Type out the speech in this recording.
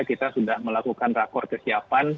kita sudah melakukan rakor kesiapan